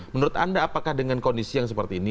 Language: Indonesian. menurut anda apakah dengan kondisi yang seperti ini